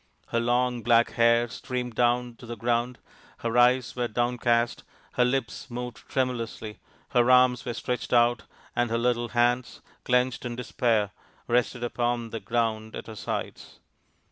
Her long black hair streamed down to the ground, her eyes were down RAMA'S QUEST 35 cast, her lips moved tremulously, her arms were stretched out, and her little hands, clenched in despair, rested upon the ground at her sides.